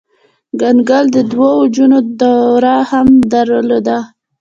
کنګل د دوه اوجونو دوره هم درلوده.